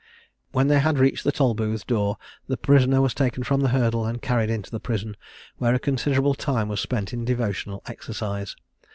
When they had reached the Tolbooth door, the prisoner was taken from the hurdle, and carried into the prison, where a considerable time was spent in devotional exercise.